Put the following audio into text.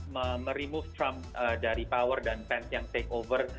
remove trump dari power dan pence yang take over